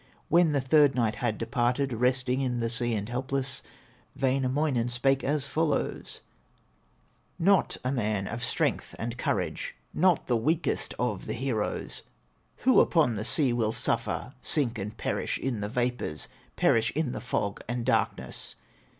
When the third night had departed, Resting in the sea, and helpless, Wainamoinen spake as follows: "Not a man of strength and courage, Not the weakest of the heroes, Who upon the sea will suffer, Sink and perish in the vapors, Perish in the fog and darkness!"